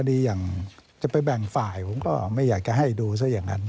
ดีอย่างจะไปแบ่งฝ่ายผมก็ไม่อยากจะให้ดูซะอย่างนั้น